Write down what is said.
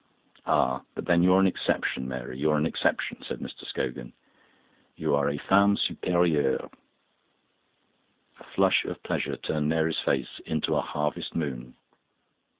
"Ah, but then you're an exception, Mary, you're an exception," said Mr. Scogan. "You are a femme superieure." A flush of pleasure turned Mary's face into a harvest moon.